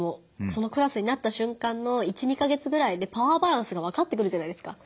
そのクラスになった瞬間の１２か月ぐらいでパワーバランスが分かってくるじゃないですか。